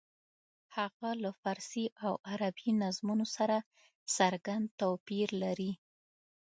هغه له فارسي او عربي نظمونو سره څرګند توپیر لري.